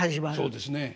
そうですね。